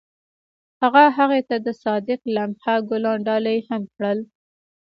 هغه هغې ته د صادق لمحه ګلان ډالۍ هم کړل.